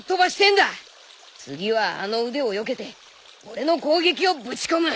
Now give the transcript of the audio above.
次はあの腕をよけて俺の攻撃をぶちこむ。